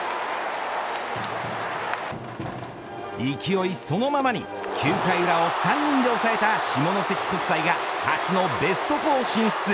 勢いそのままに９回裏を３人で抑えた下関国際が初のベスト４進出。